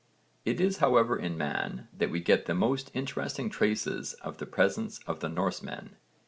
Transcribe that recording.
It is however in Man that we get the most interesting traces of the presence of the Norsemen.